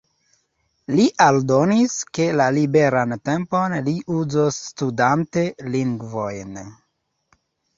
Li aldonis, ke la liberan tempon li uzos studante lingvojn.